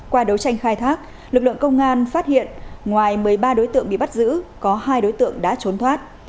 qua đấu tranh khai thác lực lượng công an phát hiện ngoài một mươi ba đối tượng bị bắt giữ có hai đối tượng đã trốn thoát